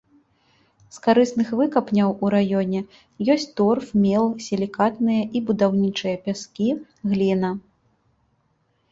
З карысных выкапняў у раёне ёсць торф, мел, сілікатныя і будаўнічыя пяскі, гліна.